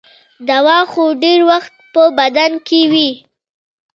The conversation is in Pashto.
دوا خو ډېر وخت په بدن کې وي.